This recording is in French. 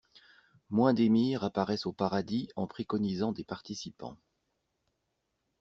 Moins d'émirs apparaissent au paradis en préconisant des participants.